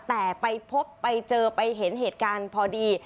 แต่ไปพบไปเจอไปเห็นเหตุการณ์พอดี